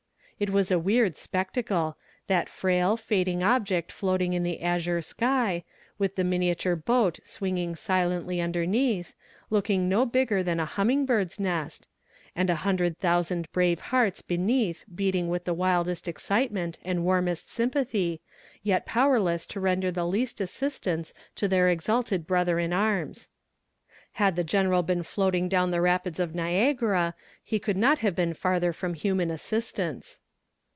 It was a weird spectacle that frail, fading object floating in the azure sky, with the miniature boat swinging silently beneath, looking no bigger than a humming bird's nest; and a hundred thousand brave hearts beneath beating with the wildest excitement and warmest sympathy, yet powerless to render the least assistance to their exalted brother in arms. "Had the general been floating down the rapids of Niagara he could not have been farther from human assistance."